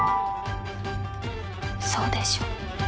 そうでしょ？